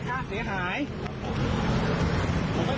ลงไปถูกก่อน